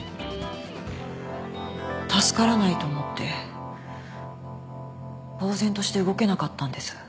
助からないと思ってぼうぜんとして動けなかったんです。